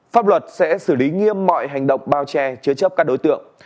pháp luật sẽ xử lý nghiêm mọi hành động bao che chứa chấp các đối tượng